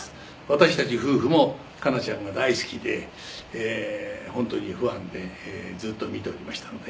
「私たち夫婦もカナちゃんが大好きで本当にファンでずっと見ておりましたので」